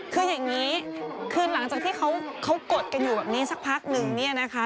คืออย่างนี้คือหลังจากที่เขากดกันอยู่แบบนี้สักพักนึงเนี่ยนะคะ